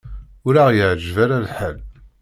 Ur aɣ-yeɛjib ara lḥal.